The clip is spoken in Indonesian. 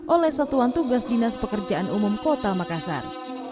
oleh satuan tugas dinas pekerjaan umum kota makassar